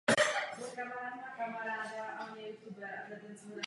Pamětní deska kostele a památník na židovském hřbitově dnes připomínají tyto události.